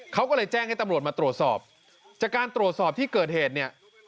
เขาก็เลยแจ้งให้ตำรวจมาตรวจสอบจากการตรวจสอบที่เกิดเหตุเนี่ย